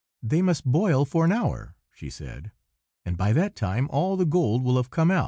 "They must boil for an hour," she said; "and by that time all the gold will have come out."